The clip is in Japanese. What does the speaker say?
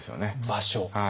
場所？